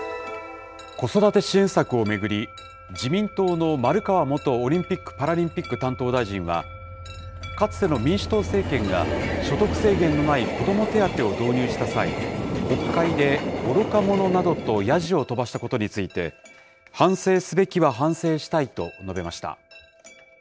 子育て支援策を巡り、自民党の丸川元オリンピック・パラリンピック担当大臣は、かつての民主党政権が、所得制限のない子ども手当を導入した際、国会で愚か者などとヤジを飛ばしたことについて、反省すべきは反省したいと述べました。